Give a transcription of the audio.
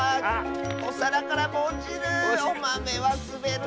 おさらからもおちる。